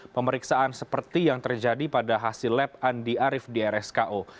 pemeriksaan seperti yang terjadi pada hasil lab andi arief di rsko